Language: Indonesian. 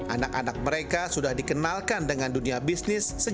anak anak mereka sudah dikenalkan dengan dunia bisnis sejak usia diberi